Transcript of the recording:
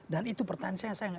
dan itu pertanyaan saya